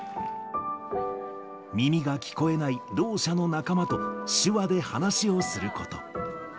耳が聞こえないろう者の仲間と手話で話をすること。